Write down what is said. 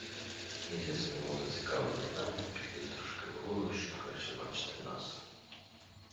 Місяць, немов зацікавлений нами, підліз трошки вгору, щоб краще бачити нас.